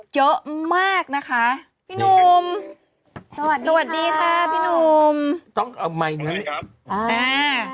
เยอะมากนะคะพี่หนุ่มสวัสดีค่ะพี่หนุ่มต้องเอาไมค์อ่า